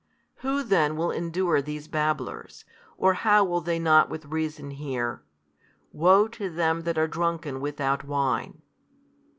Who then will endure these babblers, or how will they not with reason hear, Woe to them that are drunken without wine?